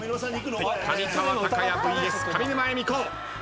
上川隆也ＶＳ上沼恵美子。